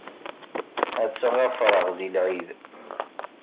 Ad tt-ɣafṛeɣ di lɛid.